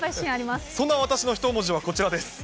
そんな私の一文字はこちらです。